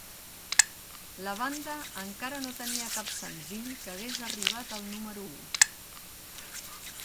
La banda encara no tenia cap senzill que hagués arribat al número u.